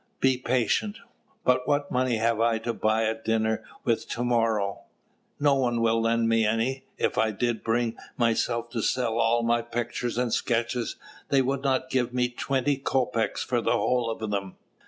Be patient! but what money have I to buy a dinner with to morrow? No one will lend me any. If I did bring myself to sell all my pictures and sketches, they would not give me twenty kopeks for the whole of them.